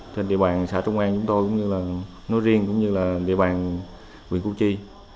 trên địa bàn xã trung an chúng tôi cũng như là nói riêng cũng như là địa bàn huyện củ chi